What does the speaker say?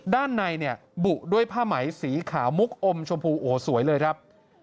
ด้านในเนี่ยบุด้วยผ้าไหมสีขาวมุกอมชมพูโอ้โหสวยเลยครับ